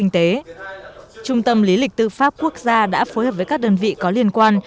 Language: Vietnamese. trung tâm lý lịch tư pháp quốc gia đã phối hợp với các đơn vị có liên quan